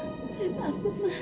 mas saya takut mas